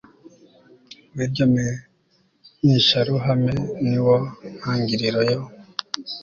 w iryo menyesharuhame ni wo ntangiriro yo